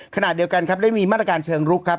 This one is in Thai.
ขณะเดียวกันครับได้มีมาตรการเชิงลุกครับ